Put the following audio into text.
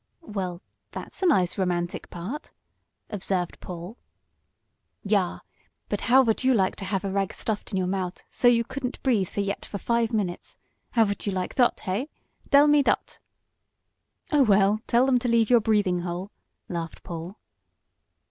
"Well, that's a nice, romantic part," observed Paul. "Yah, but how would you like to haf a rag stuffed in your mout so vot you couldn't breath yet for five minutes? How vould you like dot; hey? Dell me dot!" "Oh, well, tell 'em to leave you a breathing hole," laughed Paul.